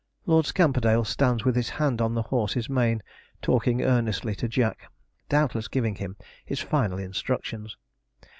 Lord Scamperdale stands with his hand on the horse's mane, talking earnestly to Jack, doubtless giving him his final instructions.